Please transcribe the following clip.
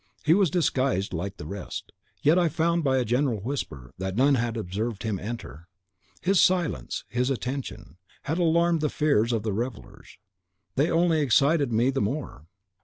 He was disguised like the rest, yet I found by a general whisper that none had observed him enter. His silence, his attention, had alarmed the fears of the other revellers, they only excited me the more.